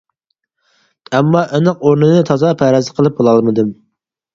ئەمما ئېنىق ئورنىنى تازا پەرەز قىلىپ بولالمىدىم.